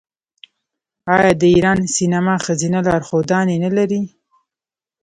آیا د ایران سینما ښځینه لارښودانې نلري؟